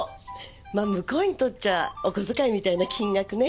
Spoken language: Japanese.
まぁ向こうにとっちゃお小遣いみたいな金額ね。